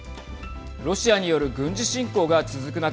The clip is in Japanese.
ロシアによる軍事侵攻が続く中